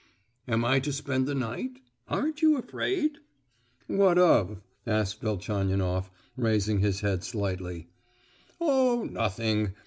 "Am I to spend the night? Aren't you afraid?" "What of?" asked Velchaninoff, raising his head slightly. "Oh, nothing.